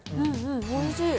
おいしい。